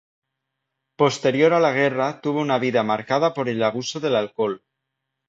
Posterior a la guerra tuvo una vida marcada por el abuso del alcohol.